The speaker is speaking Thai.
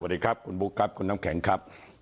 สวัสดีครับคุณบุ๊คครับคุณน้ำแข็งครับ